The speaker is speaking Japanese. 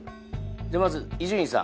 まず伊集院さん。